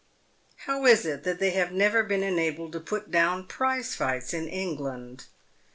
How is it that they have never been enabled to put down prize fights in England